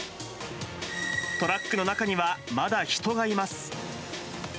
トラックの中にはまだ人がいます。